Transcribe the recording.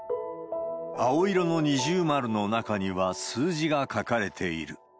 青色の二重丸の中には、数字が書かれている。